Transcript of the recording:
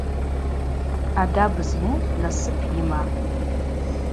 Ъадаб зму насып йымапӏ.